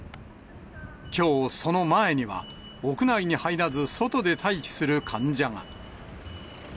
きょう、その前には屋内に入らず、外で待機する患者が。